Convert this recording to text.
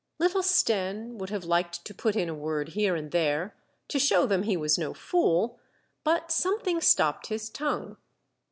Little Stenne would have liked to put in a word here and there, to show them he was no fool, but something stopped his tongue.